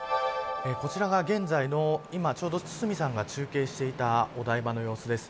こちらが現在の今ちょうど堤さんが中継していたお台場の様子です。